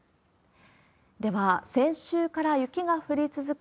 では、先週から雪が降り続く